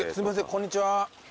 こんにちは